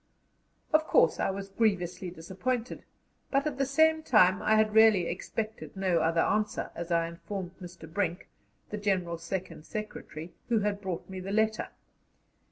Of course I was grievously disappointed, but at the same time I had really expected no other answer, as I informed Mr. Brink (the General's second secretary), who had brought me the letter.